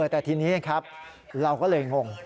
แต่ทีนี้ครับเราก็เลยงง